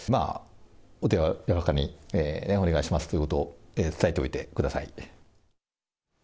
お手柔らかにお願いしますということを、伝えておいてください。